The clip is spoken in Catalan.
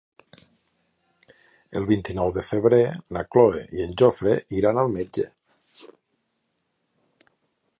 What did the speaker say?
El vint-i-nou de febrer na Cloè i en Jofre iran al metge.